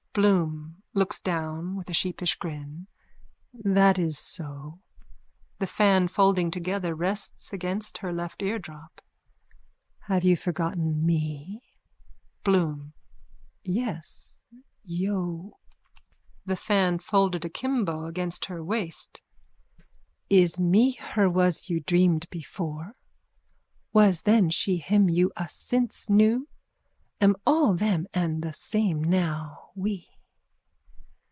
BLOOM: (Looks down with a sheepish grin.) That is so. THE FAN: (Folding together, rests against her left eardrop.) Have you forgotten me? BLOOM: Nes. Yo. THE FAN: (Folded akimbo against her waist.) Is me her was you dreamed before? Was then she him you us since knew? Am all them and the same now we?